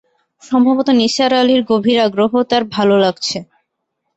সম্ভবত নিসার আলির গভীর আগ্রহ তাঁর ভালো লাগছে।